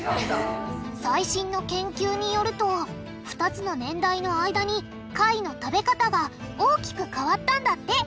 最新の研究によると２つの年代の間に貝の食べ方が大きく変わったんだって。